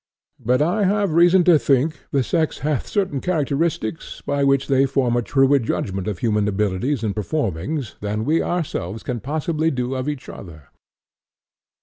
But I have reason to think, the sex hath certain characteristics, by which they form a truer judgment of human abilities and performings than we ourselves can possibly do of each other.